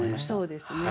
そうですね。